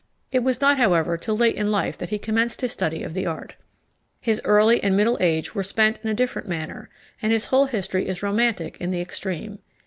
It was not, however, till late in life that he commenced his study of the art. His early and middle age were spent in a different manner, and his whole history is romantic in the extreme.